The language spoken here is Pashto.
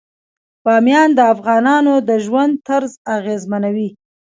بامیان د افغانانو د ژوند طرز اغېزمنوي.